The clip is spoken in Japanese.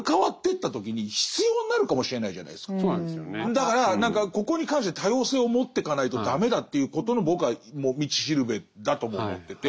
だから何かここに関して多様性を持ってかないと駄目だっていうことの僕は道しるべだとも思ってて。